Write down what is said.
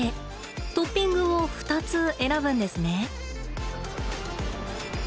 トッピングを２つ選ぶんですね。